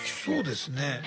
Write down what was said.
そうですね。